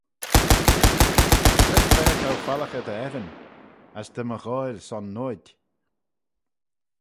Cre'n-fa t'ou follaghey dty eddin, as dy m'y ghoaill son noid?